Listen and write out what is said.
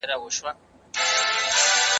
ایماندار اوسئ.